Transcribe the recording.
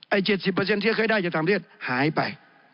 ไอ้๗๐ที่เคยได้จากธรรมเทศหายไป